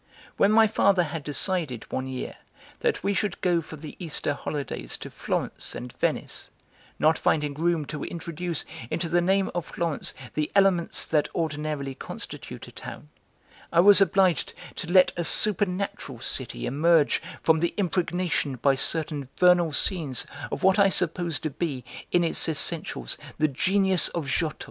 When my father had decided, one year, that we should go for the Easter holidays to Florence and Venice, not finding room to introduce into the name of Florence the elements that ordinarily constitute a town, I was obliged to let a supernatural city emerge from the impregnation by certain vernal scenes of what I supposed to be, in its essentials, the genius of Giotto.